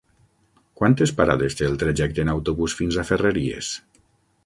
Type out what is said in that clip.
Quantes parades té el trajecte en autobús fins a Ferreries?